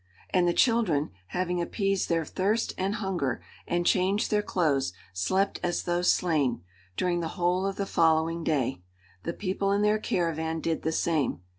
And the children, having appeased their thirst and hunger and changed their clothes, slept as though slain, during the whole of the following day; the people in their caravan did the same.